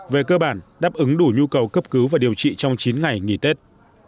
về cơ bản đáp ứng đủ nhu cầu cấp cứu và điều trị trong chín ngày nghỉ tết